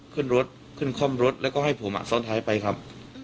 ขึ้นคล่อมรถแล้วก็ให้ผู้หมาซ้อนท้ายไปครับ